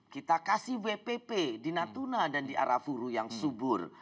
kita kasih wpp di natuna dan di arafuru yang subur